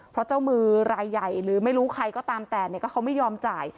เพราะเจ้ามือรายใหญ่หรือไม่รู้ใครก็ตามแต่ก็เขาไม่ยอมจ่าย